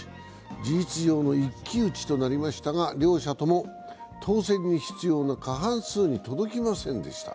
事実上の一騎打ちとなりましたが両者とも、当選に必要な過半数に届きませんでした。